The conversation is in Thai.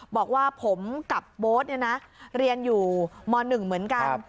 บอกว่าผมกับโบ๊ทเรียนอยู่ม๑เหมือนกัน